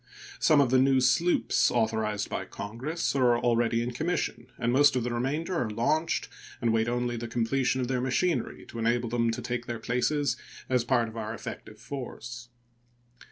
Some of the new sloops authorized by Congress are already in commission, and most of the remainder are launched and wait only the completion of their machinery to enable them to take their places as part of our effective force.